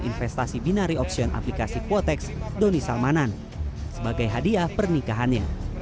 investasi binari option aplikasi quotex doni salmanan sebagai hadiah pernikahannya